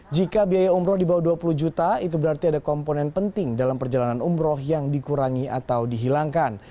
jika biaya umroh di bawah dua puluh juta itu berarti ada komponen penting dalam perjalanan umroh yang dikurangi atau dihilangkan